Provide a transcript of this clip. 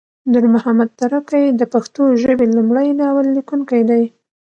نورمحمد تره کی د پښتو ژبې لمړی ناول لیکونکی دی